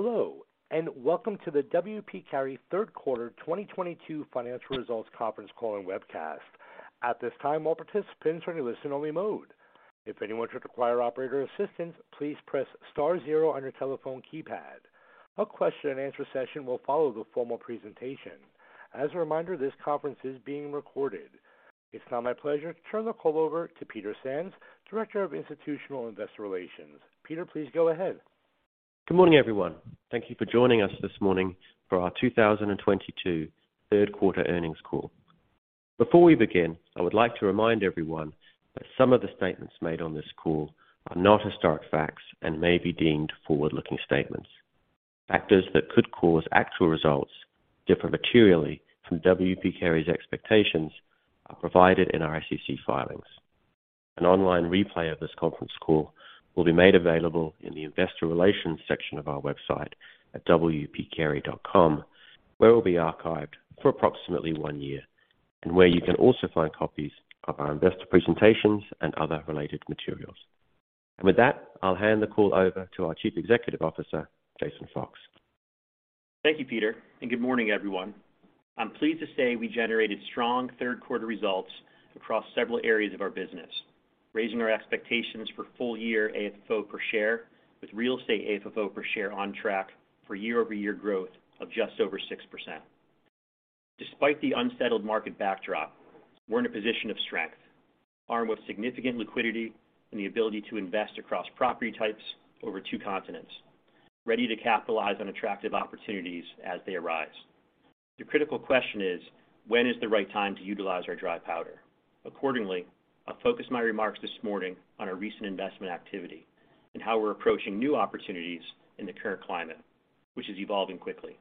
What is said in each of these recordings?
Hello, and welcome to the W. P. Carey Third Quarter 2022 Financial Results conference call and webcast. At this time, all participants are in listen only mode. If anyone should require operator assistance, please press star zero on your telephone keypad. A question and answer session will follow the formal presentation. As a reminder, this conference is being recorded. It's now my pleasure to turn the call over to Peter Sands, Director of Institutional Investor Relations. Peter, please go ahead. Good morning, everyone. Thank you for joining us this morning for our 2022 third quarter earnings call. Before we begin, I would like to remind everyone that some of the statements made on this call are not historic facts and may be deemed forward-looking statements. Factors that could cause actual results differ materially from W. P. Carey's expectations are provided in our SEC filings. An online replay of this conference call will be made available in the investor relations section of our website at wpcarey.com, where it will be archived for approximately one year, and where you can also find copies of our investor presentations and other related materials. With that, I'll hand the call over to our Chief Executive Officer, Jason Fox. Thank you, Peter, and good morning, everyone. I'm pleased to say we generated strong third quarter results across several areas of our business, raising our expectations for full year AFFO per share with real estate AFFO per share on track for year-over-year growth of just over 6%. Despite the unsettled market backdrop, we're in a position of strength, armed with significant liquidity and the ability to invest across property types over two continents, ready to capitalize on attractive opportunities as they arise. The critical question is. When is the right time to utilize our dry powder? Accordingly, I'll focus my remarks this morning on our recent investment activity and how we're approaching new opportunities in the current climate, which is evolving quickly.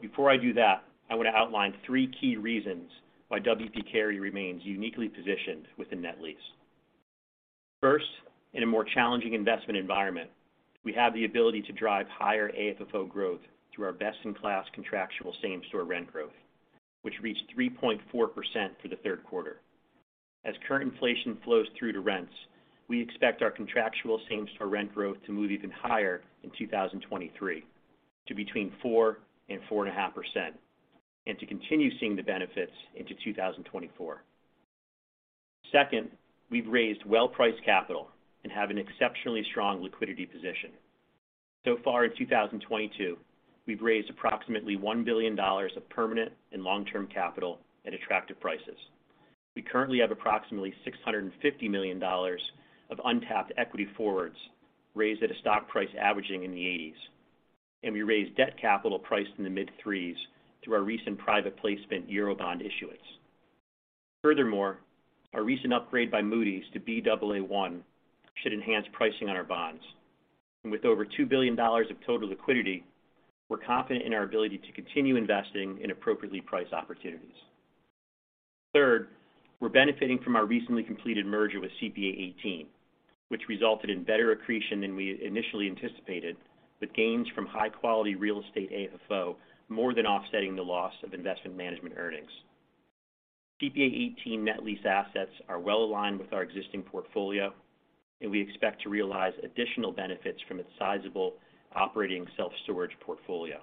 Before I do that, I want to outline three key reasons why W. P. Carey remains uniquely positioned with the net lease. First, in a more challenging investment environment, we have the ability to drive higher AFFO growth through our best-in-class contractual same store rent growth, which reached 3.4% for the third quarter. As current inflation flows through to rents, we expect our contractual same store rent growth to move even higher in 2023 to between 4% and 4.5%, and to continue seeing the benefits into 2024. Second, we've raised well-priced capital and have an exceptionally strong liquidity position. So far in 2022, we've raised approximately $1 billion of permanent and long-term capital at attractive prices. We currently have approximately $650 million of untapped equity forwards raised at a stock price averaging in the 80s, and we raised debt capital priced in the mid-3s through our recent private placement Eurobond issuance. Furthermore, our recent upgrade by Moody's to Baa1 should enhance pricing on our bonds. With over $2 billion of total liquidity, we're confident in our ability to continue investing in appropriately priced opportunities. Third, we're benefiting from our recently completed merger with CPA:18, which resulted in better accretion than we initially anticipated, with gains from high quality real estate AFFO more than offsetting the loss of investment management earnings. CPA:18 net lease assets are well aligned with our existing portfolio, and we expect to realize additional benefits from its sizable operating self-storage portfolio.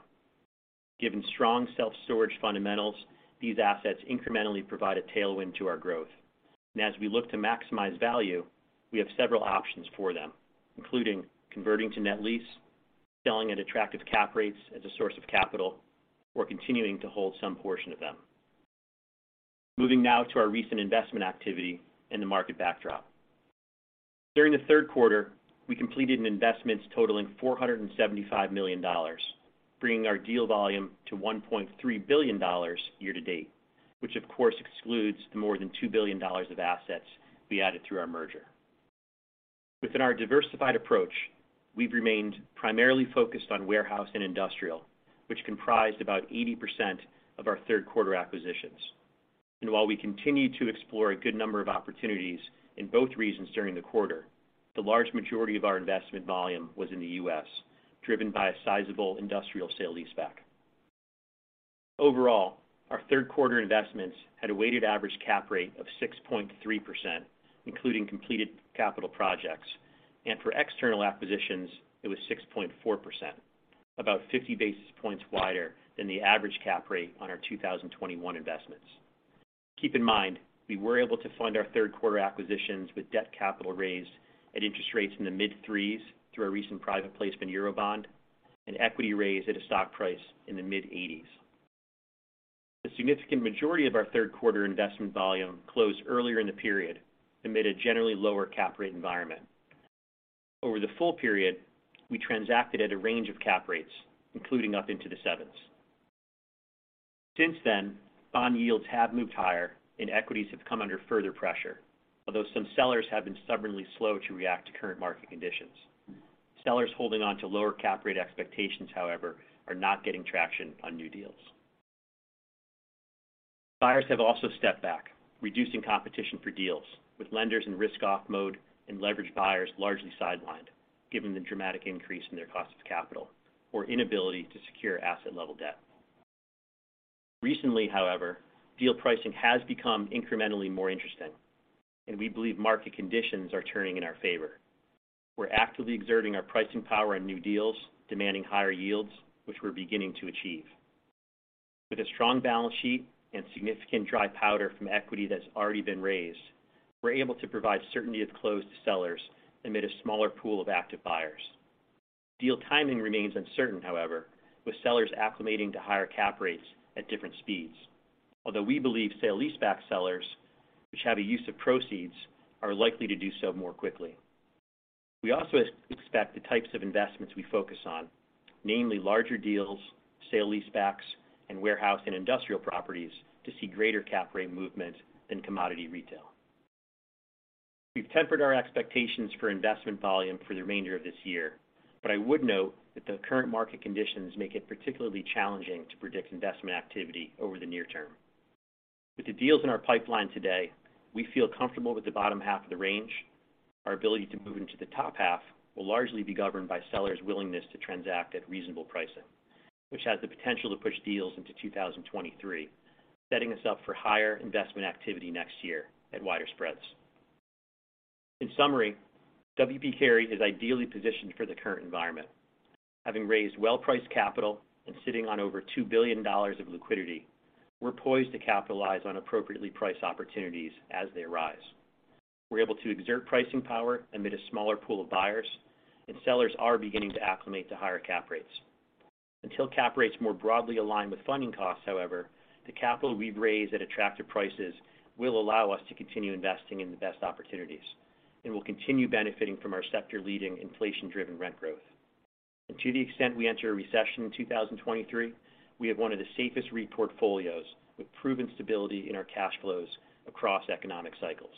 Given strong self-storage fundamentals, these assets incrementally provide a tailwind to our growth. As we look to maximize value, we have several options for them, including converting to net lease, selling at attractive cap rates as a source of capital, or continuing to hold some portion of them. Moving now to our recent investment activity and the market backdrop. During the third quarter, we completed investments totaling $475 million, bringing our deal volume to $1.3 billion year to date, which of course excludes the more than $2 billion of assets we added through our merger. Within our diversified approach, we've remained primarily focused on warehouse and industrial, which comprised about 80% of our third quarter acquisitions. While we continue to explore a good number of opportunities in both regions during the quarter, the large majority of our investment volume was in the U.S., driven by a sizable industrial sale-leaseback. Overall, our third quarter investments had a weighted average cap rate of 6.3%, including completed capital projects, and for external acquisitions, it was 6.4%, about 50 basis points wider than the average cap rate on our 2021 investments. Keep in mind, we were able to fund our third quarter acquisitions with debt capital raised at interest rates in the mid-3s through our recent private placement Eurobond and equity raise at a stock price in the mid-80s. The significant majority of our third quarter investment volume closed earlier in the period amid a generally lower cap rate environment. Over the full period, we transacted at a range of cap rates, including up into the 7s. Since then, bond yields have moved higher and equities have come under further pressure. Although some sellers have been stubbornly slow to react to current market conditions. Sellers holding on to lower cap rate expectations, however, are not getting traction on new deals. Buyers have also stepped back, reducing competition for deals with lenders in risk off mode and leverage buyers largely sidelined, given the dramatic increase in their cost of capital or inability to secure asset level debt. Recently, however, deal pricing has become incrementally more interesting, and we believe market conditions are turning in our favor. We're actively exerting our pricing power on new deals, demanding higher yields, which we're beginning to achieve. With a strong balance sheet and significant dry powder from equity that's already been raised, we're able to provide certainty of close to sellers amid a smaller pool of active buyers. Deal timing remains uncertain, however, with sellers acclimating to higher cap rates at different speeds. Although we believe sale-leaseback sellers, which have a use of proceeds, are likely to do so more quickly. We also expect the types of investments we focus on, namely larger deals, sale-leasebacks, and warehouse and industrial properties to see greater cap rate movement than commodity retail. We've tempered our expectations for investment volume for the remainder of this year, but I would note that the current market conditions make it particularly challenging to predict investment activity over the near term. With the deals in our pipeline today, we feel comfortable with the bottom half of the range. Our ability to move into the top half will largely be governed by sellers' willingness to transact at reasonable pricing, which has the potential to push deals into 2023, setting us up for higher investment activity next year at wider spreads. In summary, W. P. Carey is ideally positioned for the current environment. Having raised well-priced capital and sitting on over $2 billion of liquidity, we're poised to capitalize on appropriately priced opportunities as they arise. We're able to exert pricing power amid a smaller pool of buyers, and sellers are beginning to acclimate to higher cap rates. Until cap rates more broadly align with funding costs, however, the capital we've raised at attractive prices will allow us to continue investing in the best opportunities, and we'll continue benefiting from our sector-leading inflation-driven rent growth. To the extent we enter a recession in 2023, we have one of the safest REIT portfolios with proven stability in our cash flows across economic cycles.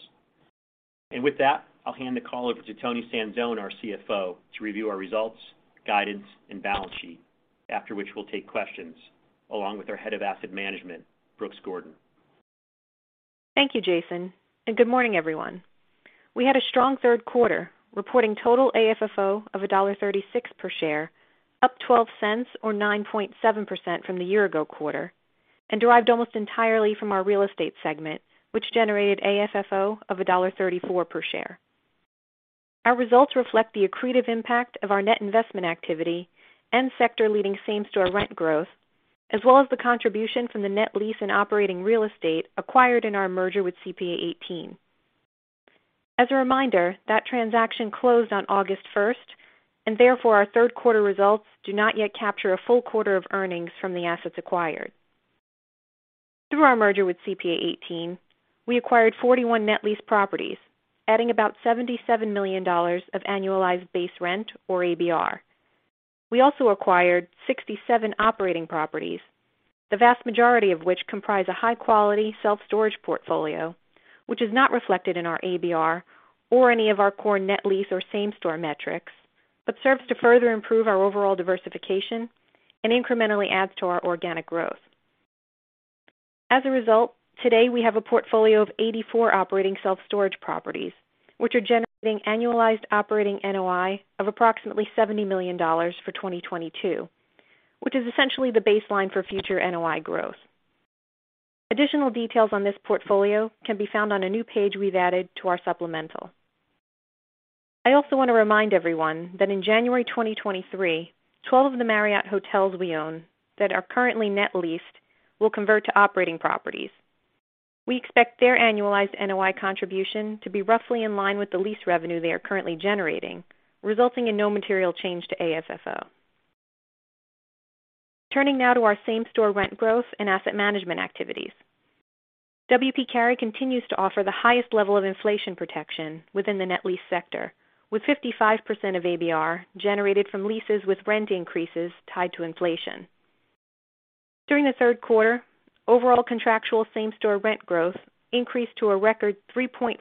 With that, I'll hand the call over to Toni Sanzone, our CFO, to review our results, guidance, and balance sheet, after which we'll take questions along with our Head of Asset Management, Brooks Gordon. Thank you, Jason, and good morning, everyone. We had a strong third quarter, reporting total AFFO of $1.36 per share, up $0.12 or 9.7% from the year-ago quarter, and derived almost entirely from our real estate segment, which generated AFFO of $1.34 per share. Our results reflect the accretive impact of our net investment activity and sector leading same-store rent growth, as well as the contribution from the net lease and operating real estate acquired in our merger with CPA:18. As a reminder, that transaction closed on August first, and therefore our third quarter results do not yet capture a full quarter of earnings from the assets acquired. Through our merger with CPA:18, we acquired 41 net lease properties, adding about $77 million of annualized base rent, or ABR. We also acquired 67 operating properties, the vast majority of which comprise a high-quality self-storage portfolio, which is not reflected in our ABR or any of our core net lease or same store metrics, but serves to further improve our overall diversification and incrementally adds to our organic growth. As a result, today we have a portfolio of 84 operating self-storage properties, which are generating annualized operating NOI of approximately $70 million for 2022, which is essentially the baseline for future NOI growth. Additional details on this portfolio can be found on a new page we've added to our supplemental. I also want to remind everyone that in January 2023, 12 of the Marriott hotels we own that are currently net leased will convert to operating properties. We expect their annualized NOI contribution to be roughly in line with the lease revenue they are currently generating, resulting in no material change to AFFO. Turning now to our same store rent growth and asset management activities. W. P. Carey continues to offer the highest level of inflation protection within the net lease sector, with 55% of ABR generated from leases with rent increases tied to inflation. During the third quarter, overall contractual same store rent growth increased to a record 3.4%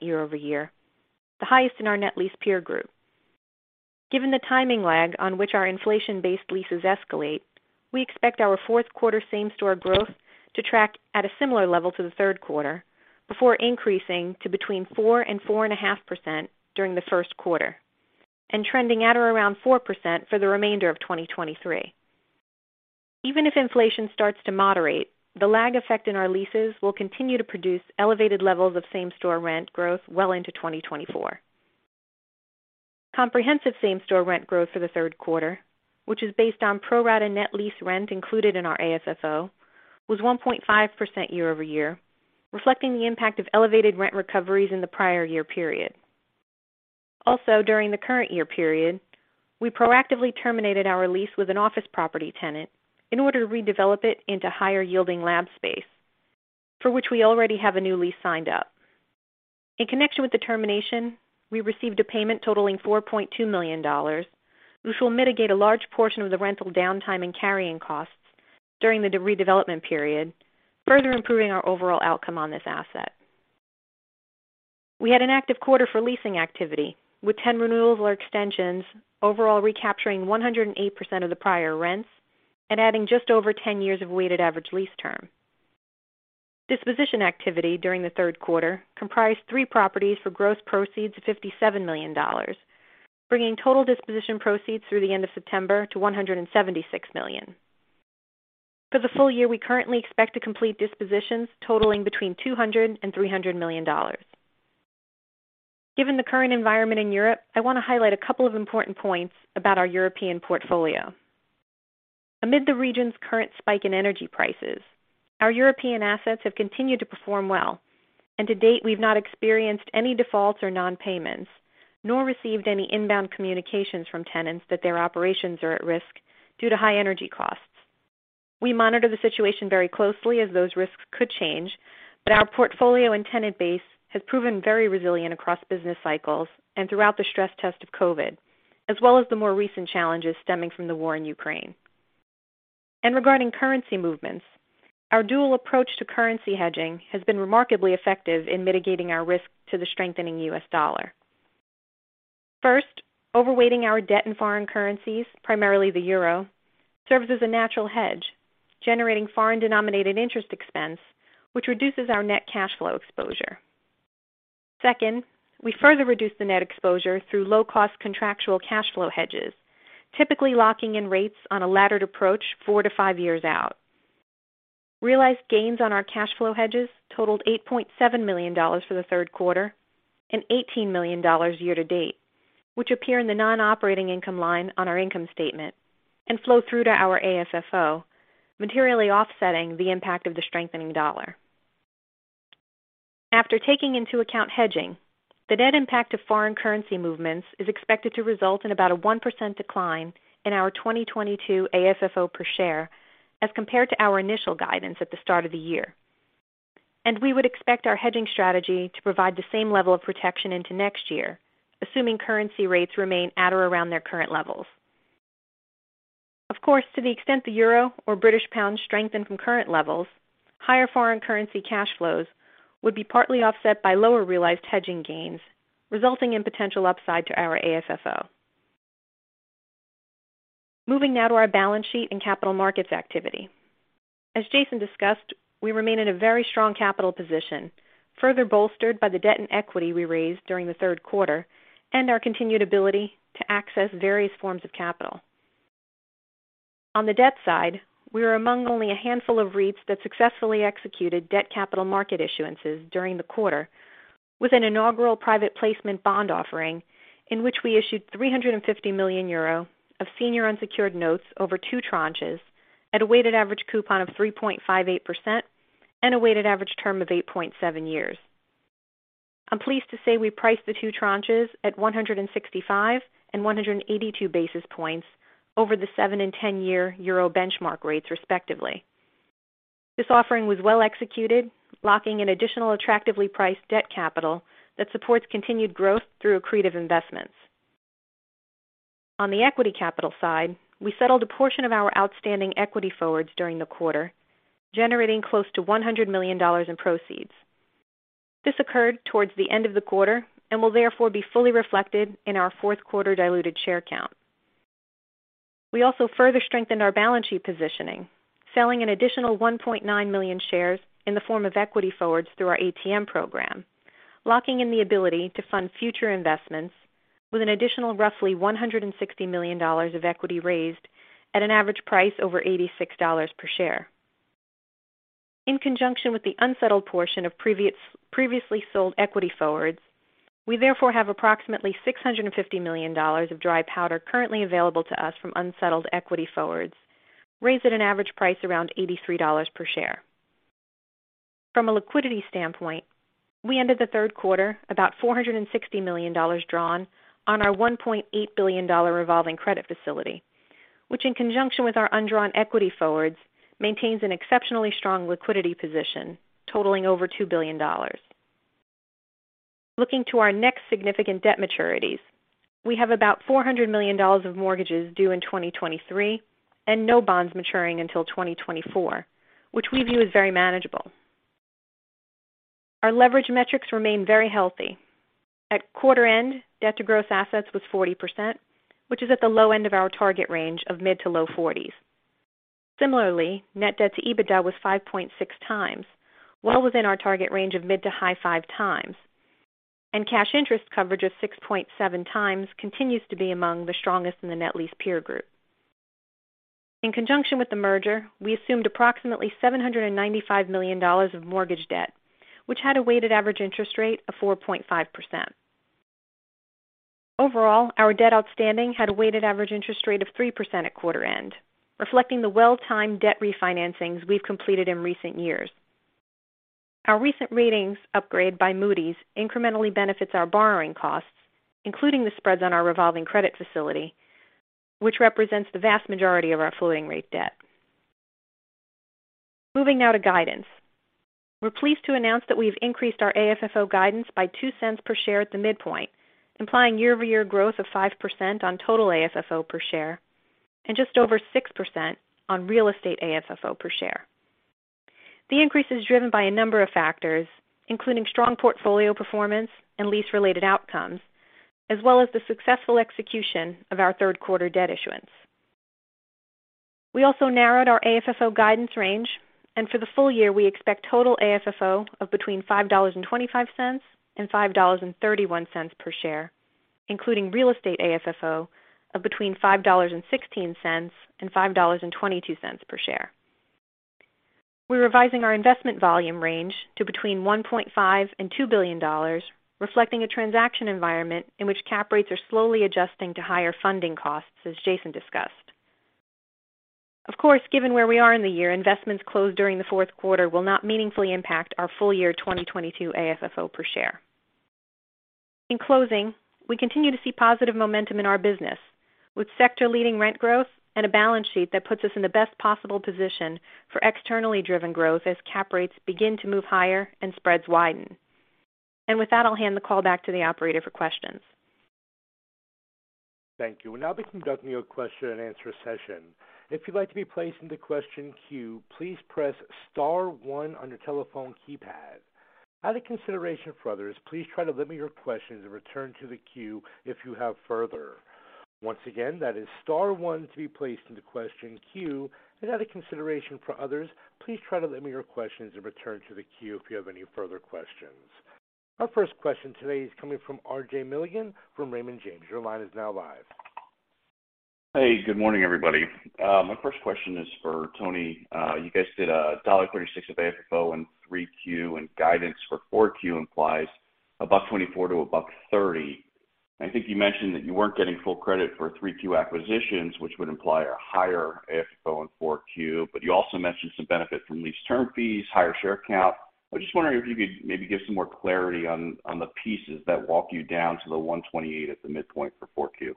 year-over-year, the highest in our net lease peer group. Given the timing lag on which our inflation-based leases escalate, we expect our fourth quarter same store growth to track at a similar level to the third quarter before increasing to between 4% and 4.5% during the first quarter and trending at or around 4% for the remainder of 2023. Even if inflation starts to moderate, the lag effect in our leases will continue to produce elevated levels of same store rent growth well into 2024. Comprehensive same store rent growth for the third quarter, which is based on pro rata net lease rent included in our AFFO, was 1.5% year-over-year, reflecting the impact of elevated rent recoveries in the prior year period. Also, during the current year period, we proactively terminated our lease with an office property tenant in order to redevelop it into higher-yielding lab space, for which we already have a new lease signed up. In connection with the termination, we received a payment totaling $4.2 million, which will mitigate a large portion of the rental downtime and carrying costs during the redevelopment period, further improving our overall outcome on this asset. We had an active quarter for leasing activity with 10 renewals or extensions, overall recapturing 108% of the prior rents and adding just over 10 years of weighted average lease term. Disposition activity during the third quarter comprised three properties for gross proceeds of $57 million, bringing total disposition proceeds through the end of September to $176 million. For the full year, we currently expect to complete dispositions totaling between $200 million and $300 million. Given the current environment in Europe, I want to highlight a couple of important points about our European portfolio. Amid the region's current spike in energy prices, our European assets have continued to perform well. To date, we've not experienced any defaults or non-payments, nor received any inbound communications from tenants that their operations are at risk due to high energy costs. We monitor the situation very closely as those risks could change, but our portfolio and tenant base has proven very resilient across business cycles and throughout the stress test of COVID, as well as the more recent challenges stemming from the war in Ukraine. Regarding currency movements, our dual approach to currency hedging has been remarkably effective in mitigating our risk to the strengthening US dollar. First, overweighting our debt in foreign currencies, primarily the euro, serves as a natural hedge, generating foreign-denominated interest expense, which reduces our net cash flow exposure. Second, we further reduce the net exposure through low-cost contractual cash flow hedges, typically locking in rates on a laddered approach four to five years out. Realized gains on our cash flow hedges totaled $8.7 million for the third quarter and $18 million year to date, which appear in the non-operating income line on our income statement and flow through to our AFFO, materially offsetting the impact of the strengthening dollar. After taking into account hedging, the net impact of foreign currency movements is expected to result in about a 1% decline in our 2022 AFFO per share as compared to our initial guidance at the start of the year. We would expect our hedging strategy to provide the same level of protection into next year, assuming currency rates remain at or around their current levels. Of course, to the extent the euro or British pound strengthen from current levels, higher foreign currency cash flows would be partly offset by lower realized hedging gains, resulting in potential upside to our AFFO. Moving now to our balance sheet and capital markets activity. As Jason discussed, we remain in a very strong capital position, further bolstered by the debt and equity we raised during the third quarter and our continued ability to access various forms of capital. On the debt side, we are among only a handful of REITs that successfully executed debt capital market issuances during the quarter with an inaugural private placement bond offering in which we issued 350 million euro of senior unsecured notes over two tranches at a weighted average coupon of 3.58% and a weighted average term of 8.7 years. I'm pleased to say we priced the two tranches at 165 and 182 basis points over the 7 and 10-year euro benchmark rates, respectively. This offering was well executed, locking in additional attractively priced debt capital that supports continued growth through accretive investments. On the equity capital side, we settled a portion of our outstanding equity forwards during the quarter, generating close to $100 million in proceeds. This occurred towards the end of the quarter and will therefore be fully reflected in our fourth quarter diluted share count. We also further strengthened our balance sheet positioning, selling an additional 1.9 million shares in the form of equity forwards through our ATM program, locking in the ability to fund future investments with an additional roughly $160 million of equity raised at an average price over $86 per share. In conjunction with the unsettled portion of previously sold equity forwards, we therefore have approximately $650 million of dry powder currently available to us from unsettled equity forwards, raised at an average price around $83 per share. From a liquidity standpoint, we ended the third quarter about $460 million drawn on our $1.8 billion revolving credit facility, which, in conjunction with our undrawn equity forwards, maintains an exceptionally strong liquidity position totaling over $2 billion. Looking to our next significant debt maturities, we have about $400 million of mortgages due in 2023 and no bonds maturing until 2024, which we view as very manageable. Our leverage metrics remain very healthy. At quarter end, debt to gross assets was 40%, which is at the low end of our target range of mid- to low-40s. Similarly, net debt to EBITDA was 5.6x, well within our target range of mid- to high 5x, and cash interest coverage of 6.7x continues to be among the strongest in the net lease peer group. In conjunction with the merger, we assumed approximately $795 million of mortgage debt, which had a weighted average interest rate of 4.5%. Overall, our debt outstanding had a weighted average interest rate of 3% at quarter end, reflecting the well-timed debt refinancings we've completed in recent years. Our recent ratings upgrade by Moody's incrementally benefits our borrowing costs, including the spreads on our revolving credit facility, which represents the vast majority of our floating rate debt. Moving now to guidance. We're pleased to announce that we've increased our AFFO guidance by $0.02 per share at the midpoint, implying year-over-year growth of 5% on total AFFO per share and just over 6% on real estate AFFO per share. The increase is driven by a number of factors, including strong portfolio performance and lease related outcomes, as well as the successful execution of our third quarter debt issuance. We also narrowed our AFFO guidance range, and for the full year, we expect total AFFO of between $5.25 and $5.31 per share, including real estate AFFO of between $5.16 and $5.22 per share. We're revising our investment volume range to between $1.5 billion and $2 billion, reflecting a transaction environment in which cap rates are slowly adjusting to higher funding costs, as Jason discussed. Of course, given where we are in the year, investments closed during the fourth quarter will not meaningfully impact our full year 2022 AFFO per share. In closing, we continue to see positive momentum in our business, with sector-leading rent growth and a balance sheet that puts us in the best possible position for externally driven growth as cap rates begin to move higher and spreads widen. With that, I'll hand the call back to the operator for questions. Thank you. We'll now be conducting your question-and-answer session. If you'd like to be placed in the question queue, please press star one on your telephone keypad. Out of consideration for others, please try to limit your questions and return to the queue if you have further. Once again, that is star one to be placed in the question queue, and out of consideration for others, please try to limit your questions and return to the queue if you have any further questions. Our first question today is coming from RJ Milligan from Raymond James. Your line is now live. Hey, good morning, everybody. My first question is for Toni. You guys did $1.36 of AFFO in 3Q, and guidance for 4Q implies $1.24-$1.30. I think you mentioned that you weren't getting full credit for 3Q acquisitions, which would imply a higher AFFO in 4Q. You also mentioned some benefit from lease term fees, higher share count. I was just wondering if you could maybe give some more clarity on the pieces that walk you down to the $1.28 at the midpoint for 4Q.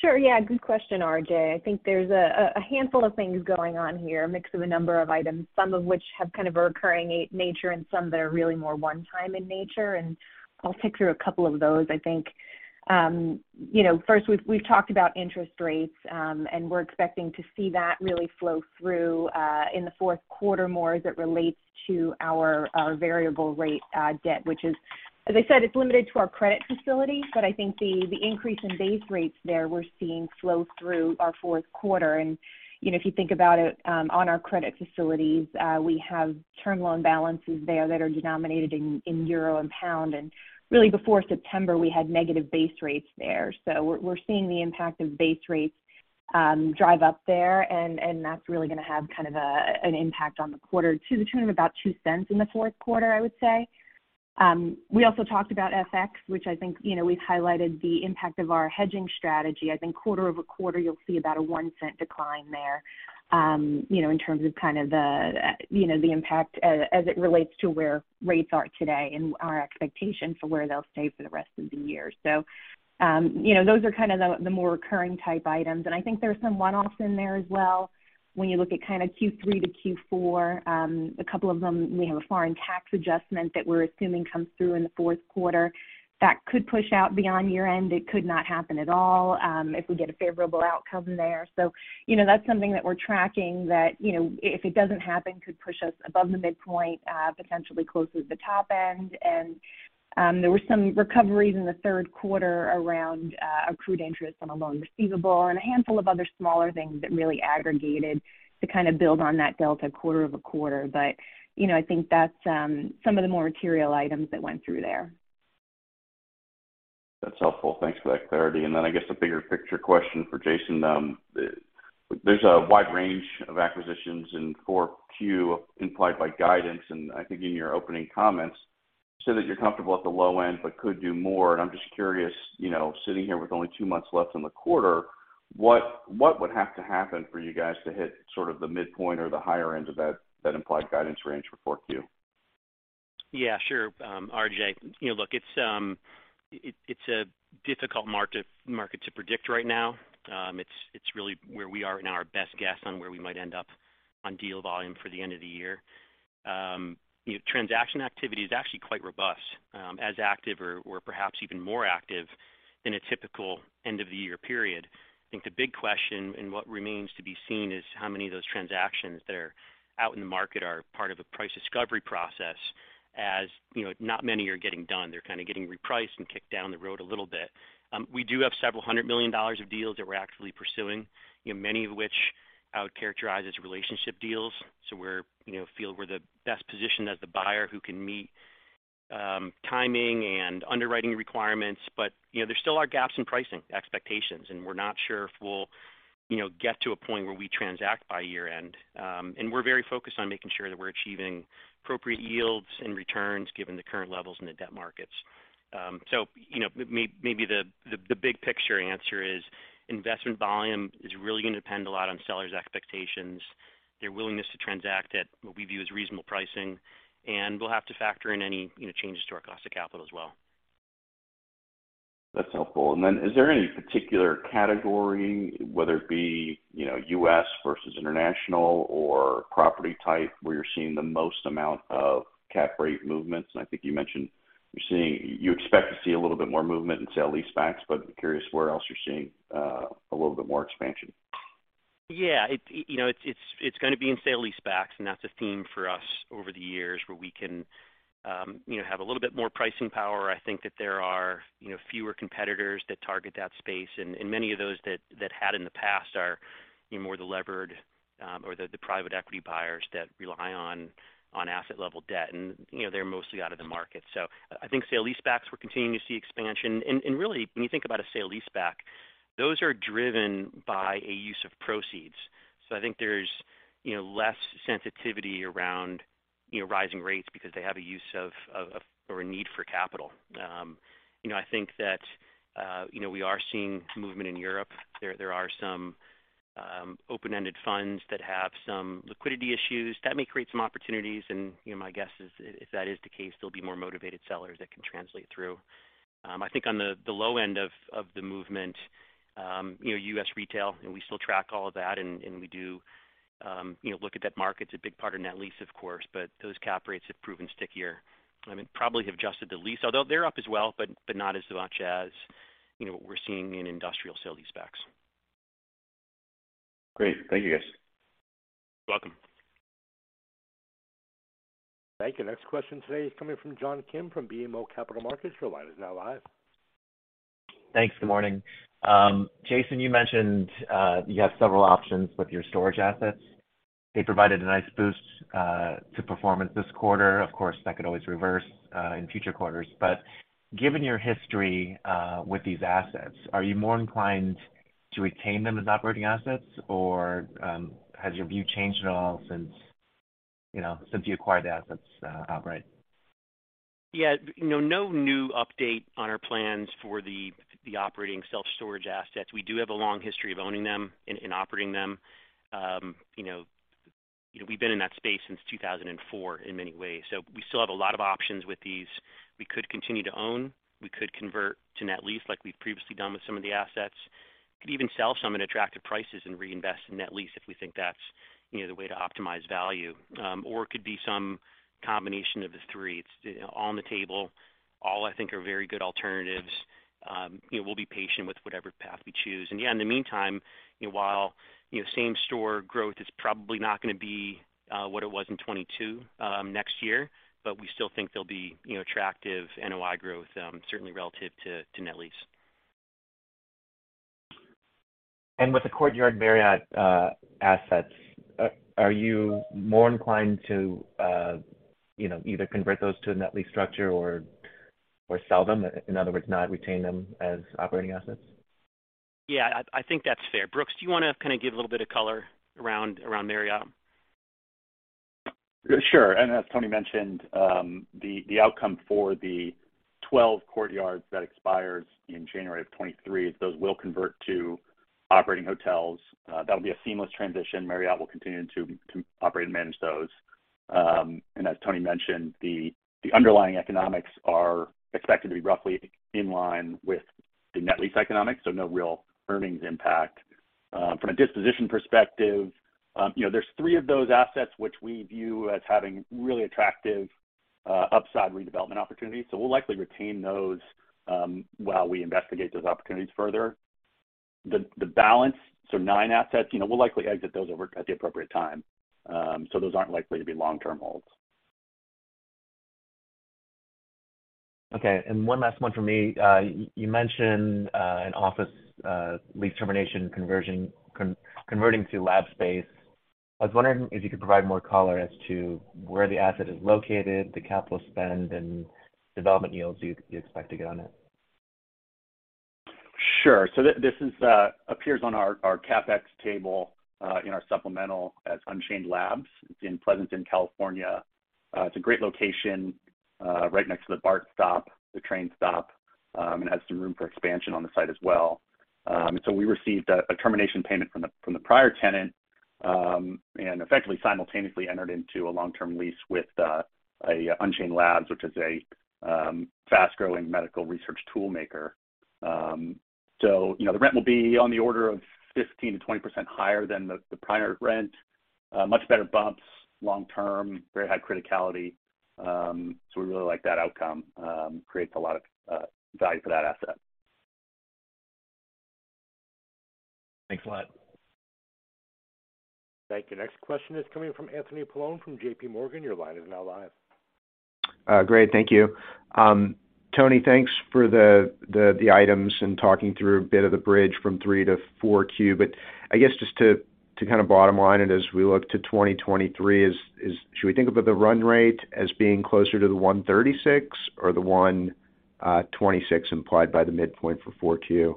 Sure. Yeah, good question, RJ. I think there's a handful of things going on here, a mix of a number of items, some of which have kind of a recurring nature and some that are really more one-time in nature, and I'll pick through a couple of those, I think. You know, first, we've talked about interest rates, and we're expecting to see that really flow through in the fourth quarter more as it relates to our variable rate debt, which is, as I said, it's limited to our credit facility. But I think the increase in base rates there we're seeing flow through in our fourth quarter. You know, if you think about it, on our credit facilities, we have term loan balances there that are denominated in euro and pound. Really, before September, we had negative base rates there. We're seeing the impact of base rates drive up there, and that's really gonna have kind of an impact on the quarter to the tune of about $0.02 in the fourth quarter, I would say. We also talked about FX, which I think, you know, we've highlighted the impact of our hedging strategy. I think quarter-over-quarter, you'll see about a $0.01 decline there, you know, in terms of kind of the impact as it relates to where rates are today and our expectation for where they'll stay for the rest of the year. You know, those are kind of the more recurring type items. I think there are some one-offs in there as well when you look at kind of Q3 to Q4. A couple of them, we have a foreign tax adjustment that we're assuming comes through in the fourth quarter that could push out beyond year-end. It could not happen at all, if we get a favorable outcome there. You know, that's something that we're tracking that, you know, if it doesn't happen, could push us above the midpoint, potentially closer to the top end. There were some recoveries in the third quarter around, accrued interest on a loan receivable and a handful of other smaller things that really aggregated to kind of build on that delta quarter over quarter. You know, I think that's, some of the more material items that went through there. That's helpful. Thanks for that clarity. I guess the bigger picture question for Jason. There's a wide range of acquisitions in 4Q implied by guidance, and I think in your opening comments, you said that you're comfortable at the low end but could do more. I'm just curious, you know, sitting here with only two months left in the quarter, what would have to happen for you guys to hit sort of the midpoint or the higher end of that implied guidance range for 4Q? Yeah, sure. RJ, you know, look, it's a difficult market to predict right now. It's really where we are in our best guess on where we might end up on deal volume for the end of the year. You know, transaction activity is actually quite robust, as active or perhaps even more active than a typical end of the year period. I think the big question and what remains to be seen is how many of those transactions that are out in the market are part of a price discovery process. As you know, not many are getting done. They're kind of getting repriced and kicked down the road a little bit. We do have $several hundred million of deals that we're actively pursuing, you know, many of which I would characterize as relationship deals. We're, you know, feel we're the best positioned as the buyer who can meet timing and underwriting requirements. You know, there still are gaps in pricing expectations, and we're not sure if we'll, you know, get to a point where we transact by year-end. We're very focused on making sure that we're achieving appropriate yields and returns given the current levels in the debt markets. You know, maybe the big picture answer is investment volume is really gonna depend a lot on sellers' expectations, their willingness to transact at what we view as reasonable pricing, and we'll have to factor in any, you know, changes to our cost of capital as well. That's helpful. Is there any particular category, whether it be, you know, U.S. versus international or property type, where you're seeing the most amount of cap rate movements? I think you mentioned you expect to see a little bit more movement in sale-leasebacks, but I'm curious where else you're seeing a little bit more expansion. Yeah. It, you know, it's gonna be in sale-leasebacks, and that's a theme for us over the years where we can, you know, have a little bit more pricing power. I think that there are, you know, fewer competitors that target that space. Many of those that had in the past are, you know, more the levered or the private equity buyers that rely on asset level debt. They're mostly out of the market. I think sale-leasebacks, we're continuing to see expansion. Really, when you think about a sale-leaseback, those are driven by a use of proceeds. I think there's, you know, less sensitivity around, you know, rising rates because they have a use of or a need for capital. You know, I think that, you know, we are seeing movement in Europe. There are some open-ended funds that have some liquidity issues. That may create some opportunities. You know, my guess is if that is the case, there'll be more motivated sellers that can translate through. I think on the low end of the movement, you know, U.S. retail, and we still track all of that, and we do, you know, look at that market. It's a big part of net lease, of course. But those cap rates have proven stickier. I mean, probably have adjusted the lease. Although they're up as well, but not as much as, you know, what we're seeing in industrial sale-leasebacks. Great. Thank you, guys. You're welcome. Thank you. Next question today is coming from John Kim from BMO Capital Markets. Your line is now live. Thanks. Good morning. Jason, you mentioned you have several options with your storage assets. They provided a nice boost to performance this quarter. Of course, that could always reverse in future quarters. Given your history with these assets, are you more inclined to retain them as operating assets or has your view changed at all since, you know, since you acquired the assets outright? Yeah. You know, no new update on our plans for the operating self-storage assets. We do have a long history of owning them and operating them. You know, we've been in that space since 2004 in many ways. We still have a lot of options with these. We could continue to own. We could convert to net lease like we've previously done with some of the assets. We could even sell some at attractive prices and reinvest in net lease if we think that's, you know, the way to optimize value. It could be some combination of the three. It's, you know, all on the table. All, I think, are very good alternatives. You know, we'll be patient with whatever path we choose. Yeah, in the meantime, you know, while you know, same-store growth is probably not gonna be what it was in 2022 next year, but we still think there'll be, you know, attractive NOI growth, certainly relative to net lease. With the Courtyard by Marriott assets, are you more inclined to, you know, either convert those to a net lease structure or sell them, in other words, not retain them as operating assets? Yeah. I think that's fair. Brooks, do you wanna kind of give a little bit of color around Marriott? Sure. As Toni mentioned, the outcome for the 12 Courtyards that expires in January 2023, those will convert to operating hotels. That'll be a seamless transition. Marriott will continue to operate and manage those. As Toni mentioned, the underlying economics are expected to be roughly in line with the net lease economics, so no real earnings impact. From a disposition perspective, you know, there's three of those assets which we view as having really attractive upside redevelopment opportunities. We'll likely retain those while we investigate those opportunities further. The balance, so 9 assets, you know, we'll likely exit those over at the appropriate time. Those aren't likely to be long-term holds. Okay. One last one from me. You mentioned an office lease termination conversion converting to lab space. I was wondering if you could provide more color as to where the asset is located, the capital spend, and development yields you'd expect to get on it. Sure. This appears on our CapEx table in our supplemental as Unchained Labs. It's in Pleasanton, California. It's a great location right next to the BART stop, the train stop, and has some room for expansion on the site as well. We received a termination payment from the prior tenant, and effectively simultaneously entered into a long-term lease with a Unchained Labs, which is a fast-growing medical research tool maker. You know, the rent will be on the order of 15%-20% higher than the prior rent. Much better bumps long term, very high criticality. We really like that outcome. Creates a lot of value for that asset. Thanks a lot. Thank you. Next question is coming from Anthony Paolone from JPMorgan. Your line is now live. Great. Thank you. Toni, thanks for the items and talking through a bit of the bridge from 3Q to 4Q. I guess just to kind of bottom line it as we look to 2023, should we think about the run rate as being closer to the 136 or the 126 implied by the midpoint for 4Q?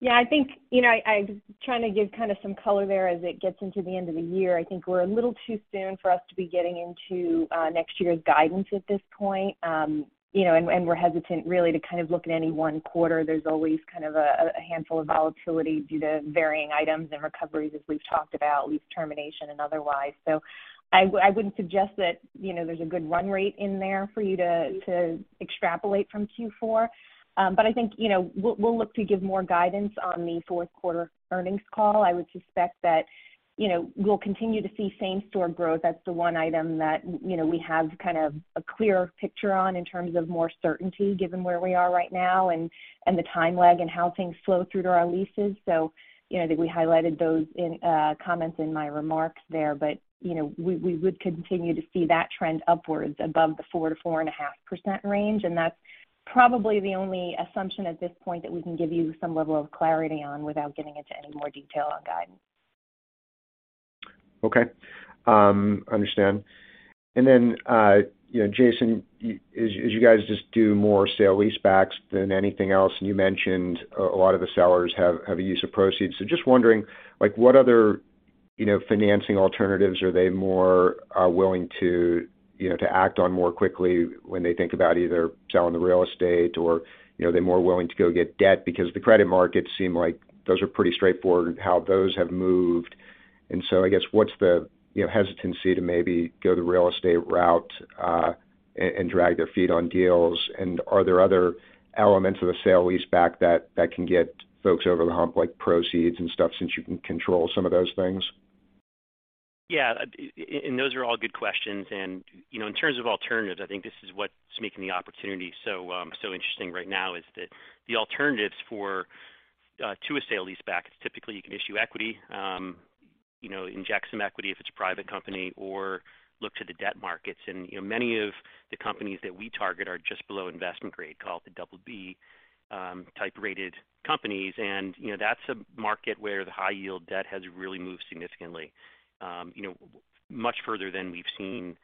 Yeah, I think, you know, I was trying to give kind of some color there as it gets into the end of the year. I think we're a little too soon for us to be getting into next year's guidance at this point. You know, and we're hesitant really to kind of look at any one quarter. There's always kind of a handful of volatility due to varying items and recoveries as we've talked about, lease termination and otherwise. I wouldn't suggest that, you know, there's a good run rate in there for you to extrapolate from Q4. I think, you know, we'll look to give more guidance on the fourth quarter earnings call. I would suspect that, you know, we'll continue to see same-store growth. That's the one item that, you know, we have kind of a clear picture on in terms of more certainty given where we are right now and the time lag and how things flow through to our leases. You know, I think we highlighted those in comments in my remarks there. You know, we would continue to see that trend upwards above the 4%-4.5% range. That's probably the only assumption at this point that we can give you some level of clarity on without getting into any more detail on guidance. You know, Jason, as you guys just do more sale-leasebacks than anything else, and you mentioned a lot of the sellers have a use of proceeds. Just wondering, like what other, you know, financing alternatives are they more willing to, you know, to act on more quickly when they think about either selling the real estate or, you know, are they more willing to go get debt? Because the credit markets seem like those are pretty straightforward how those have moved. I guess what's the, you know, hesitancy to maybe go the real estate route, and drag their feet on deals? Are there other elements of a sale-leaseback that can get folks over the hump, like proceeds and stuff, since you can control some of those things? Yeah. Those are all good questions. You know, in terms of alternatives, I think this is what's making the opportunity so interesting right now is that the alternatives for to a sale-leaseback is typically you can issue equity, you know, inject some equity if it's a private company, or look to the debt markets. You know, many of the companies that we target are just below investment grade, call it the double B type rated companies. You know, that's a market where the high yield debt has really moved significantly, you know, much further than we've seen,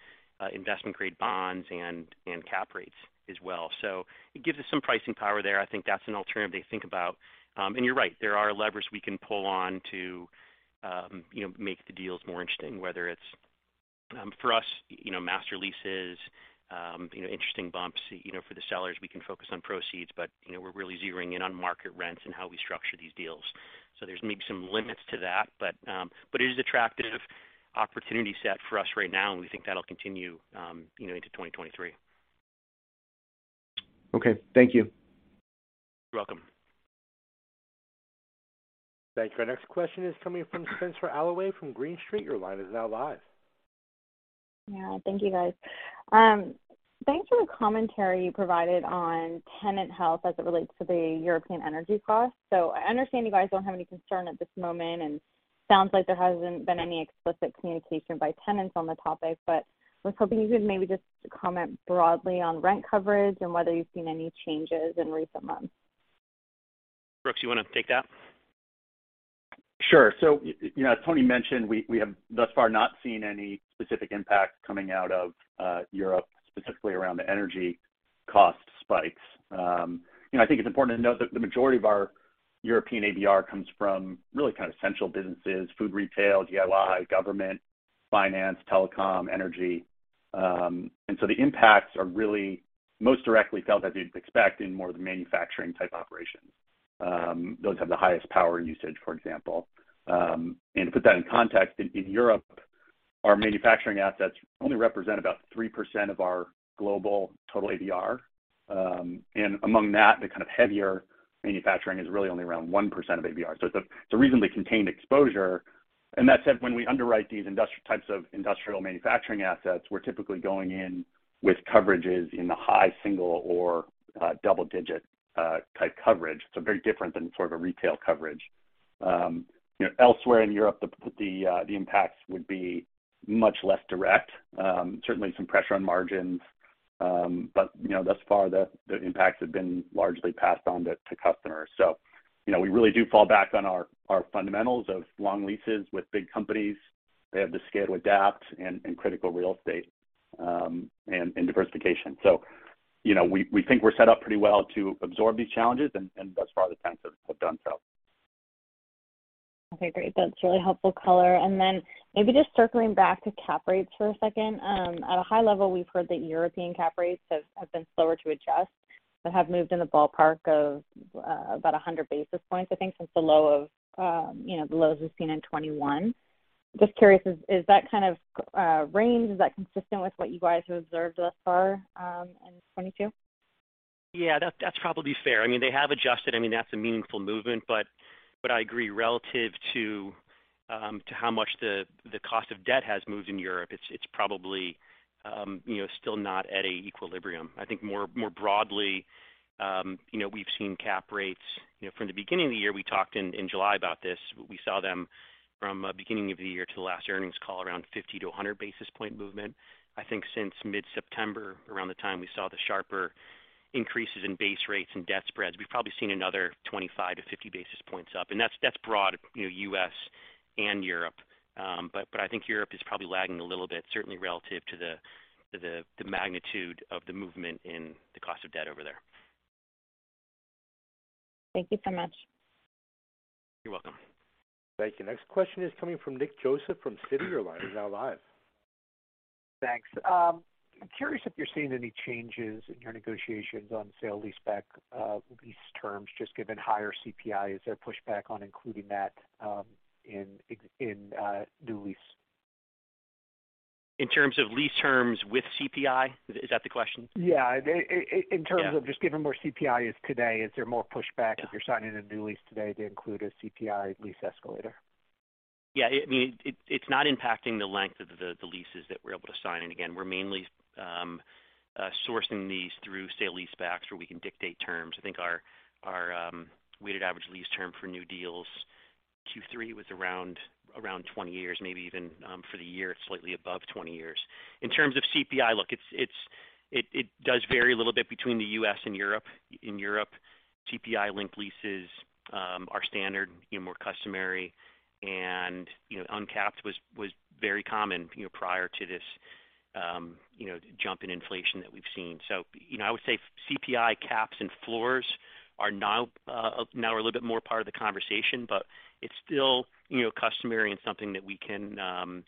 investment grade bonds and cap rates as well. It gives us some pricing power there. I think that's an alternative they think about. You're right, there are levers we can pull on to, you know, make the deals more interesting, whether it's, for us, you know, master leases, you know, interesting bumps. You know, for the sellers, we can focus on proceeds, but, you know, we're really zeroing in on market rents and how we structure these deals. There's maybe some limits to that, but it is attractive opportunity set for us right now, and we think that'll continue, you know, into 2023. Okay. Thank you. You're welcome. Thank you. Our next question is coming from Spenser Allaway from Green Street. Your line is now live. Yeah. Thank you, guys. Thanks for the commentary you provided on tenant health as it relates to the European energy costs. I understand you guys don't have any concern at this moment, and sounds like there hasn't been any explicit communication by tenants on the topic. I was hoping you could maybe just comment broadly on rent coverage and whether you've seen any changes in recent months. Brooks, you wanna take that? Sure. You know, as Toni mentioned, we have thus far not seen any specific impact coming out of Europe, specifically around the energy cost spikes. You know, I think it's important to note that the majority of our European ABR comes from really kind of essential businesses, food, retail, DIY, government, finance, telecom, energy. The impacts are really most directly felt as you'd expect in more of the manufacturing type operations. Those have the highest power usage, for example. To put that in context, in Europe, our manufacturing assets only represent about 3% of our global total ABR. Among that, the kind of heavier manufacturing is really only around 1% of ABR. It's a reasonably contained exposure. That said, when we underwrite these types of industrial manufacturing assets, we're typically going in with coverages in the high single- or double-digit type coverage. Very different than sort of a retail coverage. You know, elsewhere in Europe, the impacts would be much less direct. Certainly some pressure on margins. You know, thus far the impacts have been largely passed on to customers. You know, we really do fall back on our fundamentals of long leases with big companies. They have the scale to adapt and critical real estate and diversification. You know, we think we're set up pretty well to absorb these challenges. Thus far the tenants have done so. Okay, great. That's really helpful color. Maybe just circling back to cap rates for a second. At a high level, we've heard that European cap rates have been slower to adjust, but have moved in the ballpark of about 100 basis points, I think, since the low of, you know, the lows we've seen in 2021. Just curious, that kind of range, is that consistent with what you guys have observed thus far in 2022? Yeah, that's probably fair. I mean, they have adjusted. I mean, that's a meaningful movement. But I agree, relative to how much the cost of debt has moved in Europe, it's probably, you know, still not at a equilibrium. I think more broadly, you know, we've seen cap rates. You know, from the beginning of the year, we talked in July about this. We saw them from beginning of the year to the last earnings call around 50-100 basis point movement. I think since mid-September, around the time we saw the sharper increases in base rates and debt spreads, we've probably seen another 25-50 basis points up. That's broad, you know, U.S. and Europe. I think Europe is probably lagging a little bit, certainly relative to the magnitude of the movement in the cost of debt over there. Thank you so much. You're welcome. Thank you. Next question is coming from Nick Joseph from Citi. Your line is now live. Thanks. I'm curious if you're seeing any changes in your negotiations on sale-leaseback lease terms, just given higher CPI. Is there pushback on including that, in new lease? In terms of lease terms with CPI? Is that the question? Yeah. In terms of just given where CPI is today, is there more pushback if you're signing a new lease today to include a CPI lease escalator? Yeah. I mean, it's not impacting the length of the leases that we're able to sign. Again, we're mainly sourcing these through sale-leasebacks where we can dictate terms. I think our weighted average lease term for new deals, Q3 was around 20 years, maybe even for the year, it's slightly above 20 years. In terms of CPI, look, it does vary a little bit between the U.S. and Europe. In Europe, CPI-linked leases are standard, you know, more customary. You know, uncapped was very common, you know, prior to this, you know, jump in inflation that we've seen. You know, I would say CPI caps and floors are now a little bit more part of the conversation, but it's still, you know, customary and something that we can,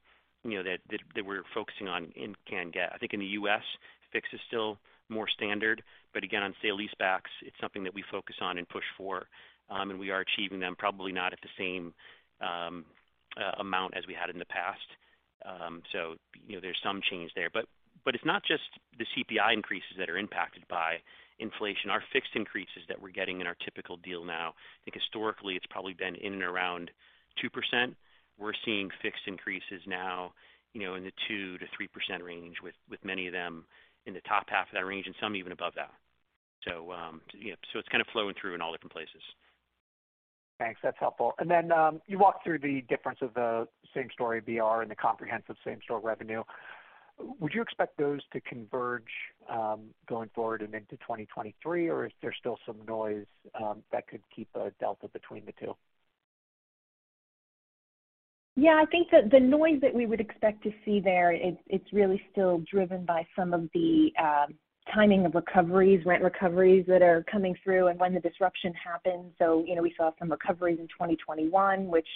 you know, that we're focusing on and can get. I think in the U.S., fixed is still more standard. But again, on sale-leasebacks, it's something that we focus on and push for. We are achieving them probably not at the same amount as we had in the past. You know, there's some change there. But it's not just the CPI increases that are impacted by inflation. Our fixed increases that we're getting in our typical deal now, I think historically it's probably been in and around 2%. We're seeing fixed increases now, you know, in the 2%-3% range, with many of them in the top half of that range and some even above that. You know, so it's kind of flowing through in all different places. Thanks. That's helpful. You walked through the difference of the same-store ABR and the comprehensive same-store revenue. Would you expect those to converge going forward and into 2023, or is there still some noise that could keep a delta between the two? Yeah, I think that the noise that we would expect to see there, it's really still driven by some of the timing of recoveries, rent recoveries that are coming through and when the disruption happened. You know, we saw some recoveries in 2021, which,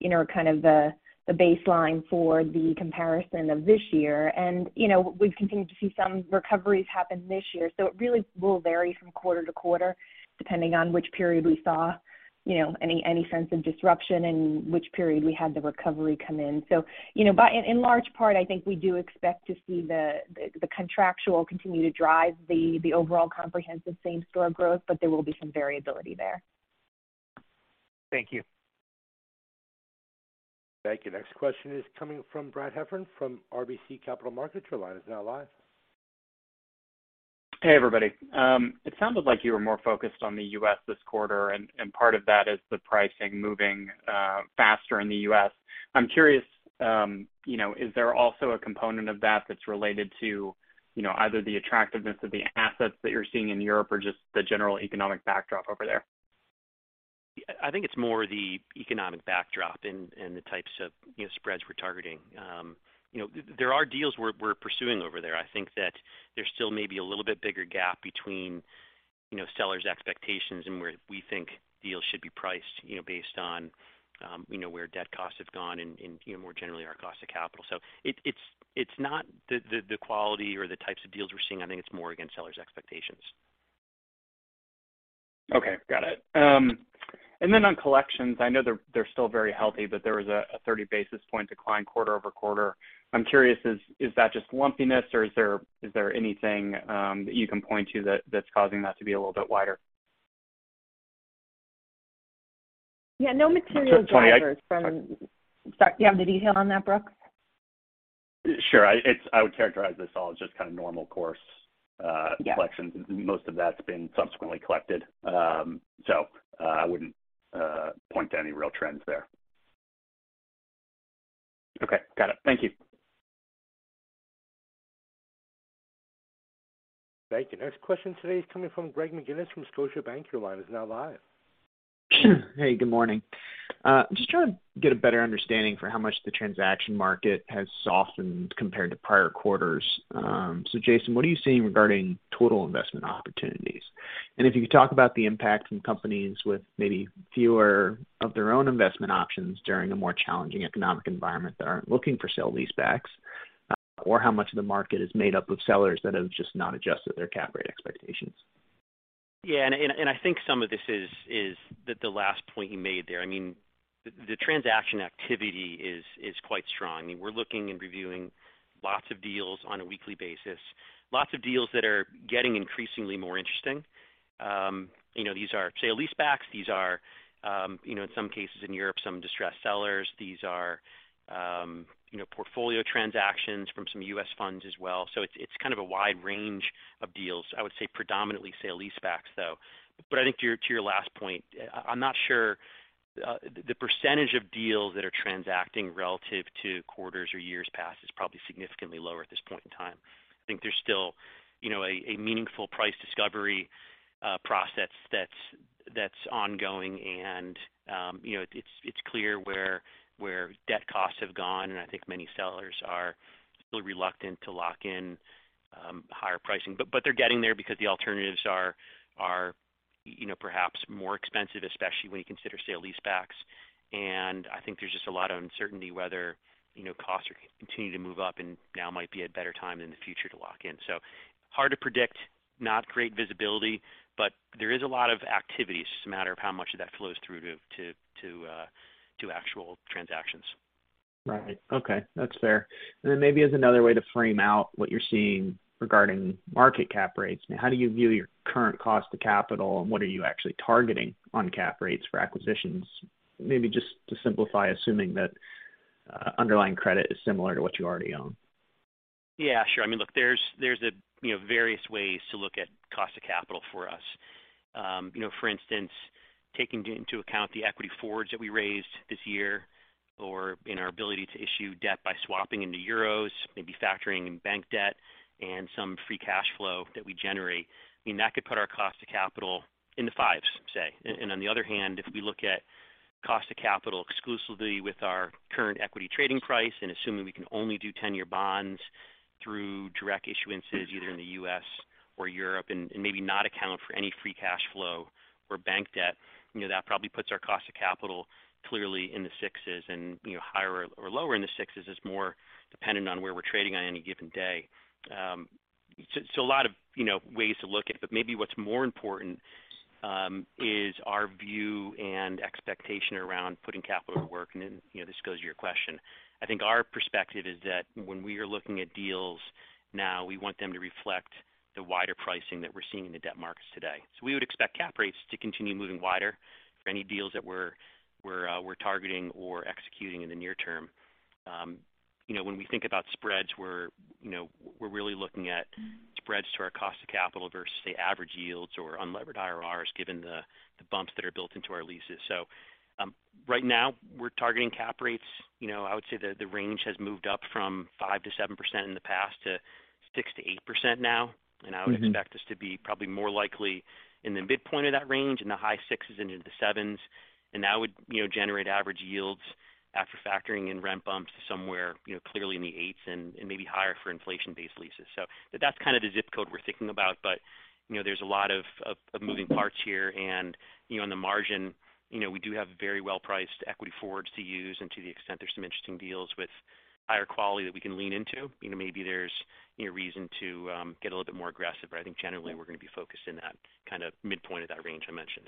you know, are kind of the baseline for the comparison of this year. You know, we've continued to see some recoveries happen this year. It really will vary from quarter to quarter, depending on which period we saw, you know, any sense of disruption and which period we had the recovery come in. You know, by and large, I think we do expect to see the contractual continue to drive the overall comprehensive same-store growth, but there will be some variability there. Thank you. Thank you. Next question is coming from Brad Heffern from RBC Capital Markets. Your line is now live. Hey, everybody. It sounded like you were more focused on the U.S. this quarter, and part of that is the pricing moving faster in the U.S. I'm curious, you know, is there also a component of that that's related to, you know, either the attractiveness of the assets that you're seeing in Europe or just the general economic backdrop over there? I think it's more the economic backdrop and the types of, you know, spreads we're targeting. You know, there are deals we're pursuing over there. I think that there still may be a little bit bigger gap between, you know, sellers' expectations and where we think deals should be priced, you know, based on, you know, where debt costs have gone and, you know, more generally our cost of capital. It's not the quality or the types of deals we're seeing. I think it's more against sellers' expectations. Okay. Got it. On collections, I know they're still very healthy, but there was a 30 basis point decline quarter-over-quarter. I'm curious, is that just lumpiness or is there anything that you can point to that's causing that to be a little bit wider? Yeah. No material drivers. Sorry. Do you have the detail on that, Brooks? Sure. I would characterize this all as just kind of normal course collections. Yeah. Most of that's been subsequently collected. I wouldn't point to any real trends there. Okay. Got it. Thank you. Thank you. Next question today is coming from Greg McGinniss from Scotiabank. Your line is now live. Hey, good morning. I'm just trying to get a better understanding for how much the transaction market has softened compared to prior quarters. Jason, what are you seeing regarding total investment opportunities? If you could talk about the impact from companies with maybe fewer of their own investment options during a more challenging economic environment that aren't looking for sale-leasebacks, or how much of the market is made up of sellers that have just not adjusted their cap rate expectations. I think some of this is the last point you made there. I mean, the transaction activity is quite strong. I mean, we're looking and reviewing lots of deals on a weekly basis, lots of deals that are getting increasingly more interesting. You know, these are sale-leasebacks. These are, you know, in some cases in Europe, some distressed sellers. These are, you know, portfolio transactions from some U.S. funds as well. It's kind of a wide range of deals. I would say predominantly sale-leasebacks, though. I think to your last point, I'm not sure the percentage of deals that are transacting relative to quarters or years past is probably significantly lower at this point in time. I think there's still, you know, a meaningful price discovery process that's ongoing. You know, it's clear where debt costs have gone, and I think many sellers are still reluctant to lock in higher pricing. They're getting there because the alternatives are, you know, perhaps more expensive, especially when you consider sale-leasebacks. I think there's just a lot of uncertainty whether, you know, costs continue to move up and now might be a better time in the future to lock in. Hard to predict, not great visibility, but there is a lot of activity. It's just a matter of how much of that flows through to actual transactions. Right. Okay. That's fair. Then maybe as another way to frame out what you're seeing regarding market cap rates, how do you view your current cost of capital, and what are you actually targeting on cap rates for acquisitions? Maybe just to simplify, assuming that underlying credit is similar to what you already own. Yeah, sure. I mean, look, there's you know, various ways to look at cost of capital for us. You know, for instance, taking into account the equity forwards that we raised this year or in our ability to issue debt by swapping into euros, maybe factoring in bank debt and some free cash flow that we generate. I mean, that could put our cost of capital in the fives, say. On the other hand, if we look at cost of capital exclusively with our current equity trading price and assuming we can only do 10-year bonds through direct issuances either in the U.S. or Europe and maybe not account for any free cash flow or bank debt, you know, that probably puts our cost of capital clearly in the sixes and, you know, higher or lower in the sixes is more dependent on where we're trading on any given day. A lot of, you know, ways to look at it. Maybe what's more important is our view and expectation around putting capital to work. Then, you know, this goes to your question. I think our perspective is that when we are looking at deals now, we want them to reflect the wider pricing that we're seeing in the debt markets today. We would expect cap rates to continue moving wider for any deals that we're targeting or executing in the near term. When we think about spreads, we're really looking at spreads to our cost of capital versus the average yields or unlevered IRRs given the bumps that are built into our leases. Right now we're targeting cap rates. I would say the range has moved up from 5%-7% in the past to 6%-8% now. I would expect this to be probably more likely in the midpoint of that range, in the high six and into sevens. That would generate average yields after factoring in rent bumps to somewhere clearly in the eights and maybe higher for inflation-based leases. That's kind of the ZIP code we're thinking about. You know, there's a lot of moving parts here. You know, on the margin, you know, we do have very well-priced equity forwards to use. To the extent there's some interesting deals with higher quality that we can lean into, you know, maybe there's, you know, reason to get a little bit more aggressive. I think generally we're gonna be focused in that kind of midpoint of that range I mentioned.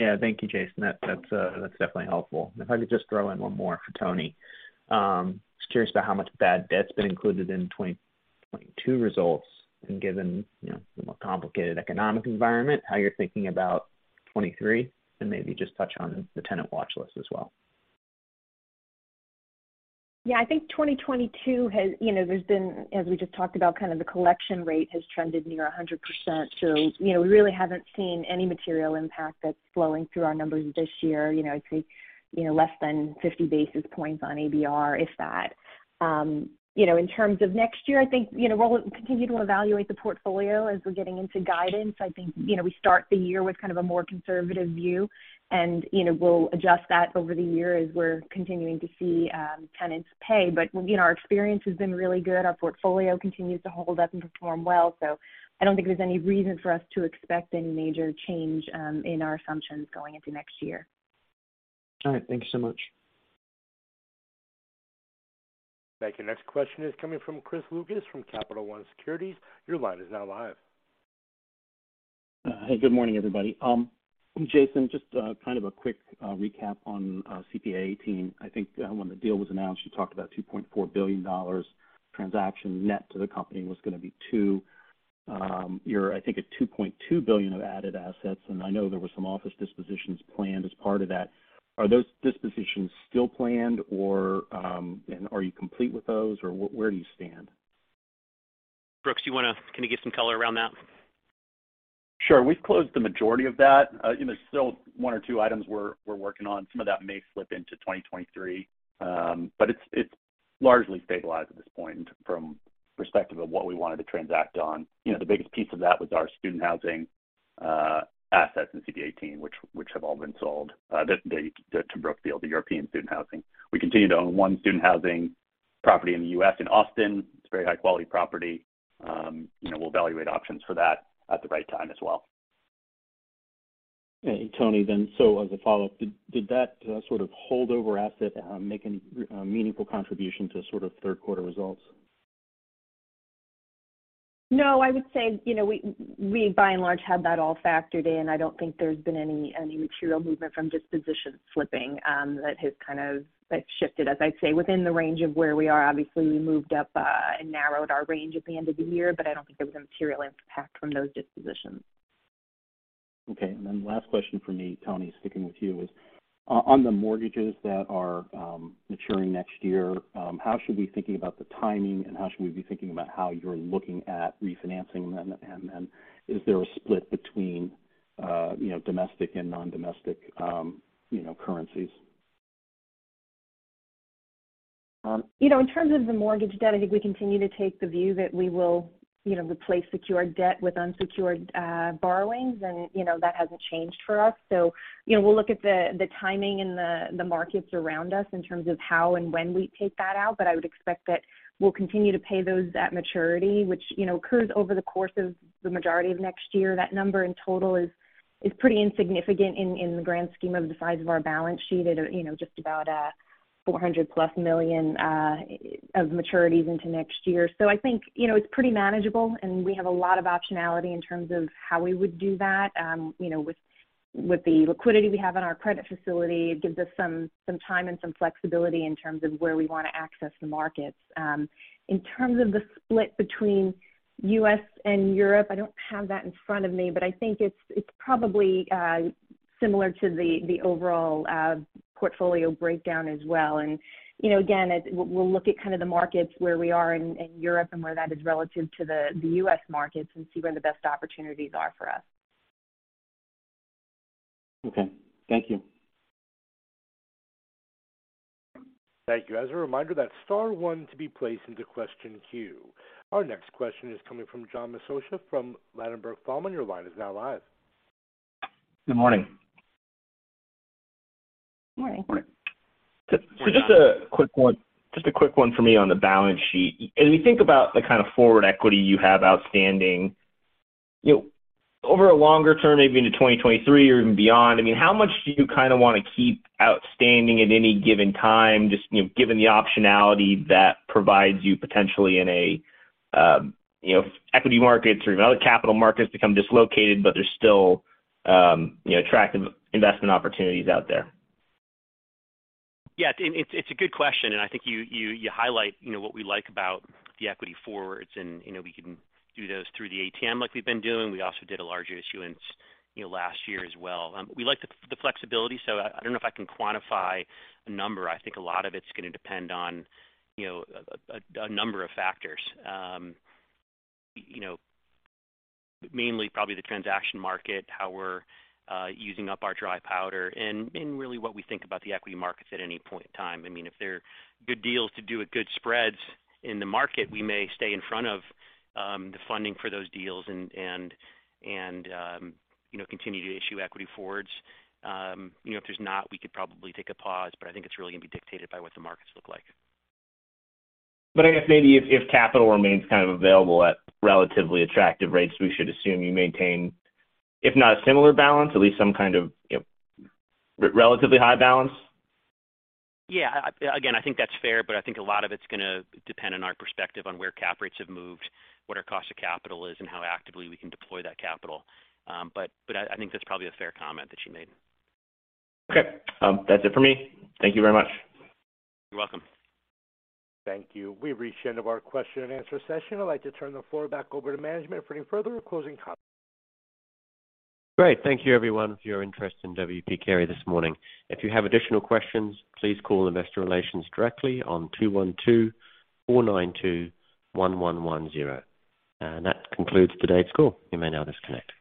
Yeah. Thank you, Jason. That's definitely helpful. If I could just throw in one more for Toni. Just curious about how much bad debt's been included in 2022 results and given, you know, the more complicated economic environment, how you're thinking about 2023, and maybe just touch on the tenant watch list as well? Yeah, I think 2022 has. You know, there's been, as we just talked about, kind of the collection rate has trended near 100%. You know, we really haven't seen any material impact that's flowing through our numbers this year. You know, I'd say, you know, less than 50 basis points on ABR, if that. You know, in terms of next year, I think, you know, we'll continue to evaluate the portfolio as we're getting into guidance. I think, you know, we start the year with kind of a more conservative view, and, you know, we'll adjust that over the year as we're continuing to see tenants pay. Our experience has been really good. Our portfolio continues to hold up and perform well. I don't think there's any reason for us to expect any major change in our assumptions going into next year. All right. Thank you so much. Thank you. Next question is coming from Chris Lucas from Capital One Securities. Your line is now live. Hey, good morning, everybody. Jason, just kind of a quick recap on CPA:18. I think when the deal was announced, you talked about $2.4 billion transaction net to the company was gonna be $2. You're, I think, at $2.2 billion of added assets, and I know there were some office dispositions planned as part of that. Are those dispositions still planned or, and are you complete with those, or where do you stand? Brooks, can you give some color around that? Sure. We've closed the majority of that. You know, there's still one or two items we're working on. Some of that may slip into 2023. But it's largely stabilized at this point from perspective of what we wanted to transact on. You know, the biggest piece of that was our student housing assets in CPA:18, which have all been sold to Brookfield, the European student housing. We continue to own one student housing property in the U.S. in Austin. It's a very high quality property. You know, we'll evaluate options for that at the right time as well. Toni, as a follow-up, did that sort of holdover asset make a meaningful contribution to sort of third quarter results? No. I would say, you know, we by and large had that all factored in. I don't think there's been any material movement from disposition slipping that shifted. As I'd say, within the range of where we are, obviously, we moved up and narrowed our range at the end of the year, but I don't think there was a material impact from those dispositions. Okay. Last question from me, Toni, sticking with you is, on the mortgages that are maturing next year, how should we be thinking about the timing, and how should we be thinking about how you're looking at refinancing them? Is there a split between, you know, domestic and non-domestic, you know, currencies? You know, in terms of the mortgage debt, I think we continue to take the view that we will, you know, replace secured debt with unsecured borrowings. You know, that hasn't changed for us. You know, we'll look at the timing and the markets around us in terms of how and when we take that out, but I would expect that we'll continue to pay those at maturity, which, you know, occurs over the course of the majority of next year. That number in total is pretty insignificant in the grand scheme of the size of our balance sheet at, you know, just about $400+ million of maturities into next year. I think, you know, it's pretty manageable, and we have a lot of optionality in terms of how we would do that. You know, with the liquidity we have in our credit facility, it gives us some time and some flexibility in terms of where we wanna access the markets. In terms of the split between U.S. and Europe, I don't have that in front of me, but I think it's probably. Similar to the overall portfolio breakdown as well. You know, again, we'll look at kind of the markets where we are in Europe and where that is relative to the U.S. markets and see where the best opportunities are for us. Okay. Thank you. Thank you. As a reminder, that's star one to be placed into question queue. Our next question is coming from John Massocca from Ladenburg Thalmann. Your line is now live. Good morning. Morning. Morning. Just a quick one for me on the balance sheet. As we think about the kind of forward equity you have outstanding, you know, over a longer term, maybe into 2023 or even beyond, I mean, how much do you kinda wanna keep outstanding at any given time just, you know, given the optionality that provides you potentially in a, you know, equity markets or even other capital markets become dislocated, but there's still, you know, attractive investment opportunities out there? Yeah, it's a good question, and I think you highlight, you know, what we like about the equity forwards and, you know, we can do those through the ATM like we've been doing. We also did a large issuance, you know, last year as well. We like the flexibility, so I don't know if I can quantify a number. I think a lot of it's gonna depend on, you know, a number of factors. You know, mainly probably the transaction market, how we're using up our dry powder and really what we think about the equity markets at any point in time. I mean, if there are good deals to do at good spreads in the market, we may stay in front of the funding for those deals and you know, continue to issue equity forwards. You know, if there's not, we could probably take a pause, but I think it's really gonna be dictated by what the markets look like. I guess maybe if capital remains kind of available at relatively attractive rates, we should assume you maintain, if not a similar balance, at least some kind of, you know, relatively high balance. Yeah. Again, I think that's fair, but I think a lot of it's gonna depend on our perspective on where cap rates have moved, what our cost of capital is, and how actively we can deploy that capital. I think that's probably a fair comment that you made. Okay. That's it for me. Thank you very much. You're welcome. Thank you. We've reached the end of our question and answer session. I'd like to turn the floor back over to management for any further closing comments. Great. Thank you, everyone, for your interest in W. P. Carey this morning. If you have additional questions, please call investor relations directly on 212-492-1110. That concludes today's call. You may now disconnect.